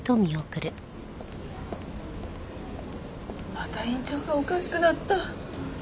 また院長がおかしくなった。